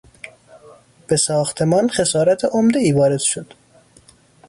به ساختمان خسارات عمدهای وارد شد.